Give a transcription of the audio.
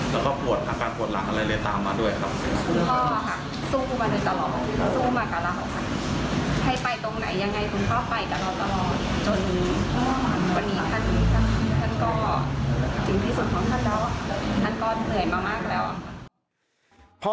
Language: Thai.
แล้วก็ปวดอาการปวดหลังอะไรเลยตามมาด้วยครับ